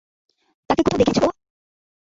তাকে কোথাও দেখেছ?